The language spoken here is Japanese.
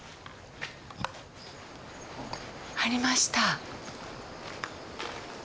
ありました。